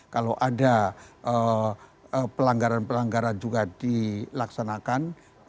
kalau ada pelanggaran pelanggaran juga dilaksanakan